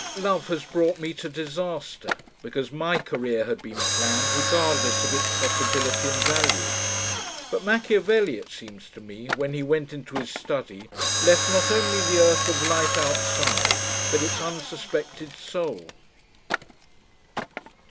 Love has brought me to disaster, because my career had been planned regardless of its possibility and value. But Machiavelli, it seems to me, when he went into his study, left not only the earth of life outside but its unsuspected soul.